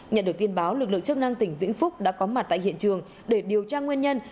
nhận được tin báo lực lượng chức năng tỉnh vĩnh phúc đã có mặt tại hiện trường để điều tra nguyên nhân